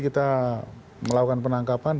kita melakukan penangkapan